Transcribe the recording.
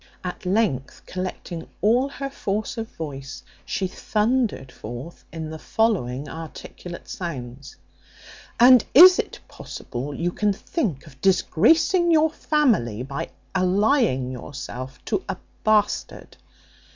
At length, collecting all her force of voice, she thundered forth in the following articulate sounds: "And is it possible you can think of disgracing your family by allying yourself to a bastard?